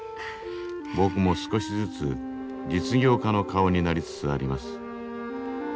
ぼくも少しづつ実業家の顔になりつつあります。